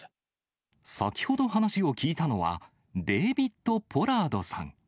先ほど話を聞いたのは、デービッド・ポラードさん。